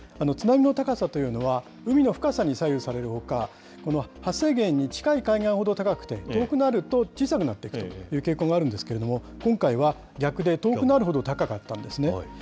津波の高さというのは、海の深さに左右されるほか、発生源に近い海岸ほど高くて、遠くなると小さくなっていくという傾向があるんですけれども、今回は逆で、遠くなるほど高かったんですね。